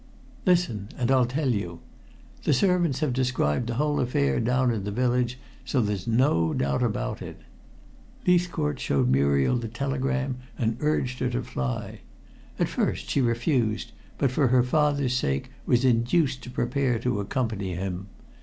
"Listen, and I'll tell you. The servants have described the whole affair down in the village, so there's no doubt about it. Leithcourt showed Muriel the telegram and urged her to fly. At first she refused, but for her father's sake was induced to prepare to accompany him.